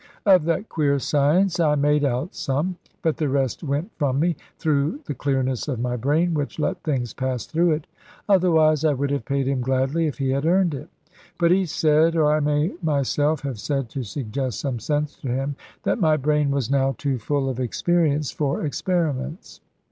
Of that queer science I made out some; but the rest went from me, through the clearness of my brain (which let things pass through it); otherwise I would have paid him gladly, if he had earned it. But he said (or I may myself have said, to suggest some sense to him) that my brain was now too full of experience for experiments.